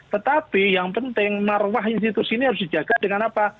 tetapi yang penting marwah institusi ini harus dijaga dengan apa